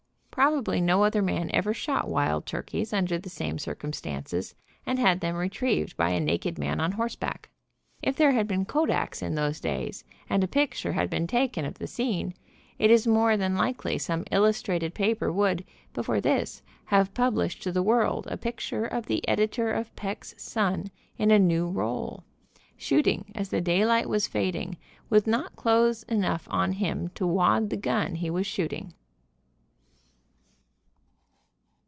Probably no other man ever shot wild turkeys under the same circumstances and had them retrieved by a naked man on horseback. If there had been kodaks in those days and a picture had been taken of the scene, it is more than likely some illustrated paper would, before this, have pub lished to the world a picture of the editor of Peck's Sun in a new role, shooting as the daylight was fad ing, with not clothes enough on him to wad the gun he was shooting.